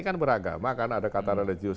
kan beragama kan ada kata religius